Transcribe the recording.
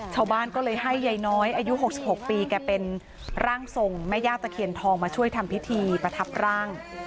ชาวบ้านก็เลยให้ยายน้อยอายุ๖๖ปีแกเป็นร่างทรงแม่ย่าตะเคียนทองมาช่วยทำพิธีประทับร่าง